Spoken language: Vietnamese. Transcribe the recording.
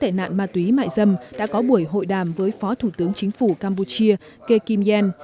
chủ tịch ủy ban quốc gia phòng chống tệ nạn ma túy mại dâm đã có buổi hội đàm với phó thủ tướng chính phủ campuchia kê kim yen